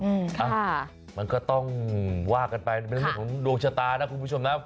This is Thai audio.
อ่ะมันก็ต้องว่ากันไปเป็นเรื่องของดวงชะตานะคุณผู้ชมนะ